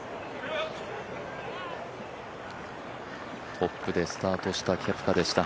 トップでスタートしたケプカでした。